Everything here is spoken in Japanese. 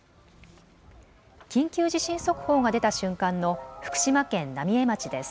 緊急地震速報が出た瞬間の福島県浪江町です。